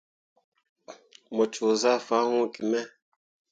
Mu coo zah fah hun gi me.